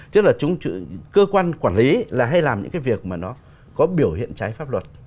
chứ là cơ quan quản lý là hay làm những cái việc mà nó có biểu hiện trái pháp luật